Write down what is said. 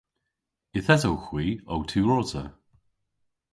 Yth esowgh hwi ow tiwrosa.